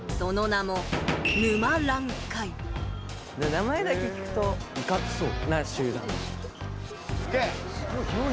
名前だけ聞くといかつそうな集団。